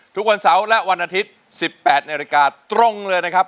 ทุกวันเสาร์และวันอาทิตย์๑๘นาฬิกาตรงเลยนะครับ